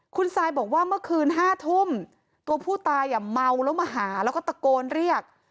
คุณซายบอกว่าเมื่อคืน๕ทุ่มตัวผู้ตายเมาแล้วมาหาแล้วก็ตะโกนเรียก